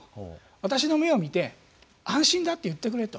私の目を見て安心だって言ってくれと。